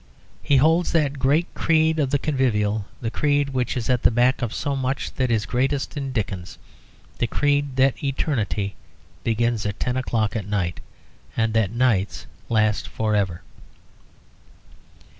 He holds that great creed of the convivial, the creed which is at the back of so much that is greatest in Dickens, the creed that eternity begins at ten o'clock at night, and that nights last forever.